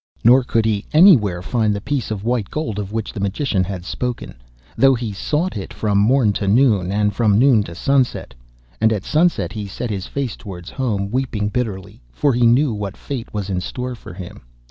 Nor could he anywhere find the piece of white gold of which the Magician had spoken, though he sought for it from morn to noon, and from noon to sunset. And at sunset he set his face towards home, weeping bitterly, for he knew what fate was in store for him.